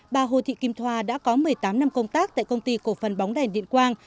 bà hồ thị kim thoa đã có một mươi tám năm công tác tại công ty cổ phần bóng đèn điện quang